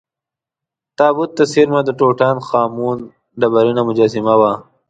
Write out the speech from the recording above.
تابوت ته څېرمه د ټوټا ن خا مون ډبرینه مجسمه وه.